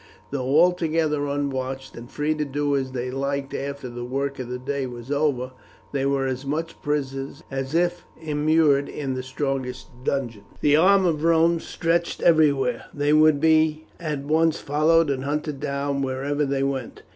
Though altogether unwatched and free to do as they liked after the work of the day was over, they were as much prisoners as if immured in the strongest dungeons. The arm of Rome stretched everywhere; they would be at once followed and hunted down wherever they went.